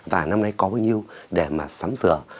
và năm nay có bao nhiêu để mà sắm sửa